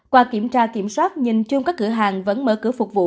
qua kiểm tra kiểm soát nhìn chung các cửa hàng vẫn mở cửa phục vụ